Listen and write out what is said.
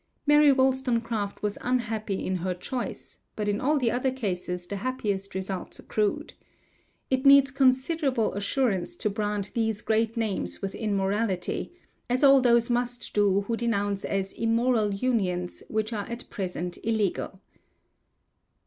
Mary Wolstonecraft was unhappy in her choice, but in all the other cases the happiest results accrued. It needs considerable assurance to brand these great names with immorality, as all those must do who denounce as immoral unions which are at present illegal.